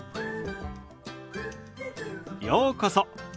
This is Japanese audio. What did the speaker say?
ようこそ。